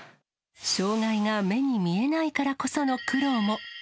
障がいが目に見えないからこその苦労も。